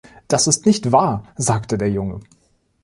„Das ist nicht wahr“, sagte der Junge.